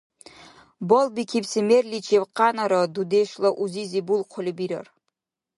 Балбикибси мерличиб къянара дудешла узизи булхъули бирар.